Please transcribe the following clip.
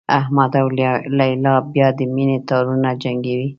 احمد او لیلا بیا د مینې تارونه جنګوي.